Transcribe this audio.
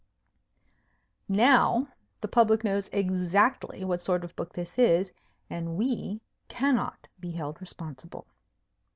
Now the public knows exactly what sort of book this is, and we cannot be held responsible.